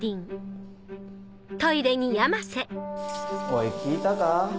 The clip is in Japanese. おい聞いたか？